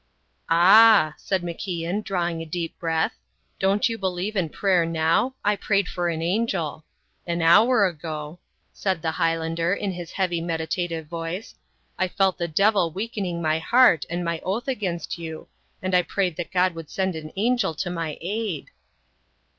"Ah," said MacIan, drawing a deep breath. "Don't you believe in prayer now? I prayed for an angel." "An hour ago," said the Highlander, in his heavy meditative voice, "I felt the devil weakening my heart and my oath against you, and I prayed that God would send an angel to my aid."